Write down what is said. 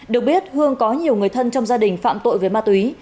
được biết hương có nhiều người thân trong gia đình phạm tội về ma túy